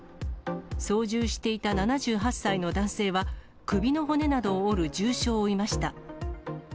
操縦していた７８歳の男性は、首の骨などを折る重傷を負いました。